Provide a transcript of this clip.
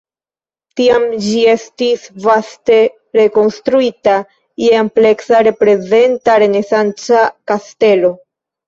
Tiam ĝi estis vaste rekonstruita je ampleksa reprezenta renesanca kastelo.